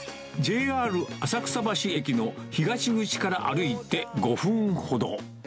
ＪＲ浅草橋駅の東口から歩いて５分ほど。